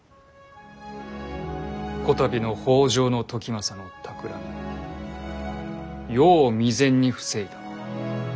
こたびの北条時政のたくらみよう未然に防いだ。